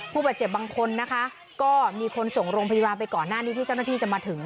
ผู้บาดเจ็บบางคนนะคะก็มีคนส่งโรงพยาบาลไปก่อนหน้านี้ที่เจ้าหน้าที่จะมาถึง